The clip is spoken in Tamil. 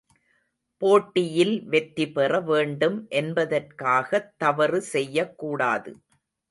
போட்டியில் வெற்றிபெற வேண்டும் என்பதற்காகத் தவறு செய்யக்கூடாது.